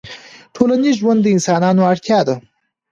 ټولنیز ژوند د انسانانو اړتیا ده